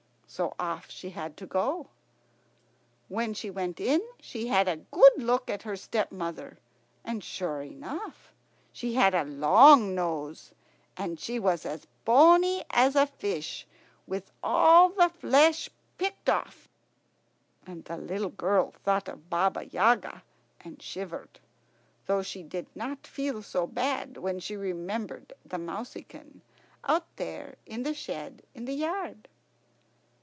So off she had to go. When she went in she had a good look at her stepmother, and sure enough she had a long nose, and she was as bony as a fish with all the flesh picked off, and the little girl thought of Baba Yaga and shivered, though she did not feel so bad when she remembered the mouseykin out there in the shed in the yard.